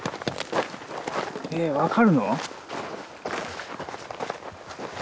え分かるの？